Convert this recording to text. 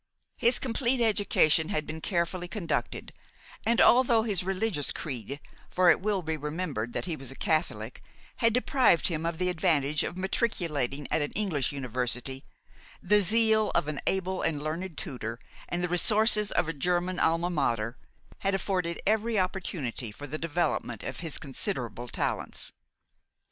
His complete education had been carefully conducted; and although his religious creed, for it will be remembered he was a Catholic, had deprived him of the advantage of matriculating at an English university, the zeal of an able and learned tutor, and the resources of a German Alma Mater, had afforded every opportunity for the development of his considerable talents.